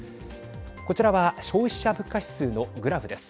こちらは消費者物価指数のグラフです。